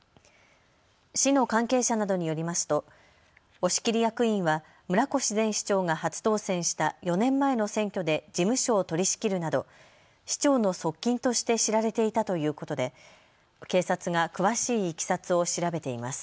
市の関係者などによりますと押切役員は村越前市長が初当選した４年前の選挙で事務所を取りしきるなど市長の側近として知られていたということで警察が詳しいいきさつを調べています。